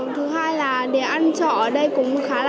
thứ hai là để ăn chợ ở đây cũng khá là đắt ạ